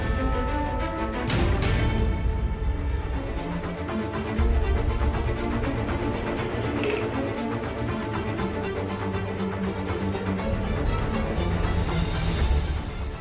ตอนที่สุดตอนที่สุดตอนที่สุด